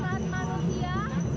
tatung dari berbagai wilayah